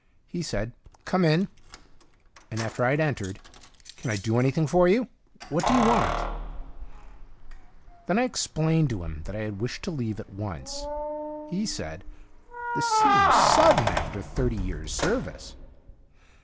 He said, ' Come in,' and after I had entered :' Can I do anything for you ? What do you want }' Then I explained to him that I wished to leave at once. He said :' This seems sudden, after thirty years' service.'